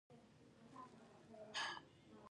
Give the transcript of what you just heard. زړه د امید چاپېریال دی.